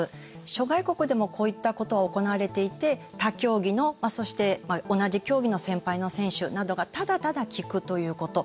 諸外国でもこういったことは行われていて他競技の、そして同じ競技の先輩の選手などがただただ聞くということ。